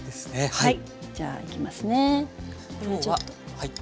はい。